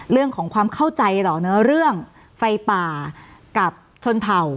เรื่องของความเข้าใจต่อเนอะเรื่องไฟป่ากับชนเผ่า